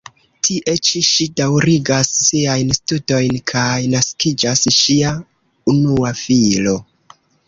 Tie ĉi ŝi daŭrigas siajn studojn kaj naskiĝas ŝia unua filo.